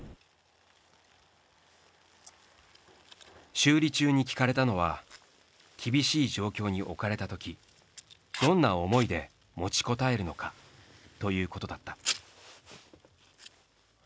修理中に聞かれたのは厳しい状況に置かれたときどんな思いで持ちこたえるのかということだった。